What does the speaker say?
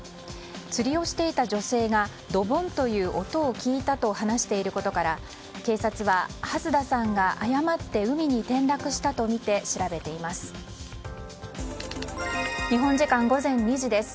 釣りをしていた女性がドボンという音を聞いたと話していることから、警察は蓮田さんが誤って海に転落したとみて調べています。